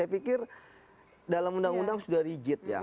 saya pikir dalam undang undang sudah rigid ya